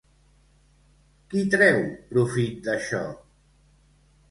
Qui treu profit d'això?